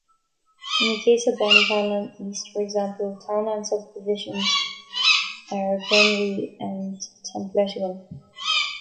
In the case of Bonniconlon East, for example, townland subdivisions are Glenree and Templetigan.